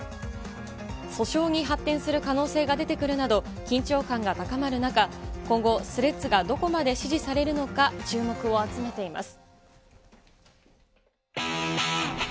訴訟に発展する可能性が出てくるなど、緊張感が高まる中、今後、スレッズがどこまで支持されるのか、注目を集めています。